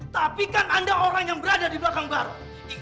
tapi kan anda orang yang berada di belakang bareng